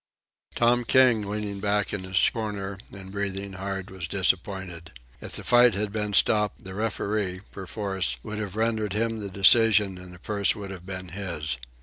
Tom King, leaning back in his corner and breathing hard, was disappointed. If the fight had been stopped, the referee, perforce, would have rendered him the decision and the purse would have been his.